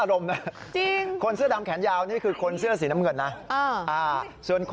อ้าวถ้าไปเจอกันข้างนอกจะมีเรื่องอื่นอีกไหม